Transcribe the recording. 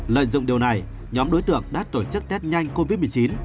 lợi dụng điều này nhóm đối tượng đã tổ chức test nhanh covid một mươi chín